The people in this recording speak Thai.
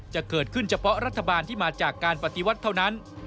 จะเกิดขึ้นเฉพาะรัฐบาลที่มาจากการปฏิวัติเท่านั้น